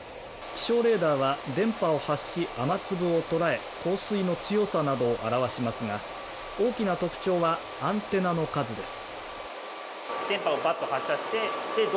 気象レーダーは電波を発し雨粒を捉え降水の強さなどを表しますが大きな特徴はアンテナの数です